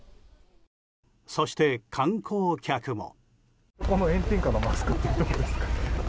そして、観光客も。